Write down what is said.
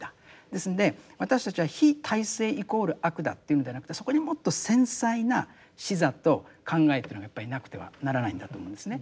ですんで私たちは非体制イコール悪だというのではなくてそこにもっと繊細な視座と考えというのがやっぱりなくてはならないんだと思うんですね。